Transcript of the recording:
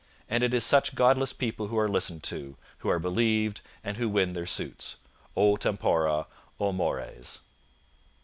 And it is such godless people who are listened to, who are believed, and who win their suits. O tempora, O mores!